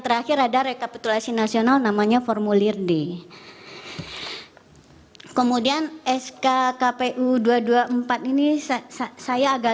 terakhir ada rekapitulasi nasional namanya formulir d kemudian sk kpu dua ratus dua puluh empat ini saya agak